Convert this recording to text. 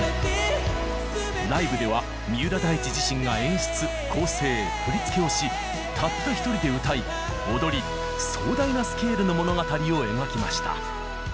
ライブでは三浦大知自身が演出構成振り付けをしたったひとりで歌い踊り壮大なスケールの物語を描きました。